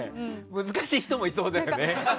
難しい人もいそうだよね。